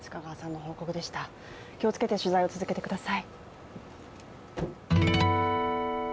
気をつけて取材を続けてください。